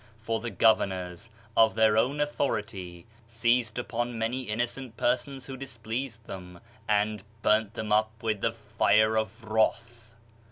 For the governors, of their own authority, seized upon many innocent persons who displeased them and burnt them up with the fire of wrath.